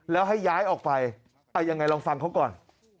แล้วให้ย้ายออกไปเอายังไงลองฟังเขาก่อน